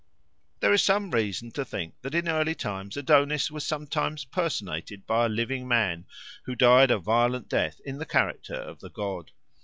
There is some reason to think that in early times Adonis was sometimes personated by a living man who died a violent death in the character of the god.